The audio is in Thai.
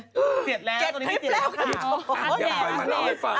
เสียดแล้วตรงนี้ไม่เสียดแล้วค่ะ